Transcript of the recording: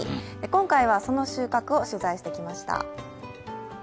今回はその収穫を取材してきました。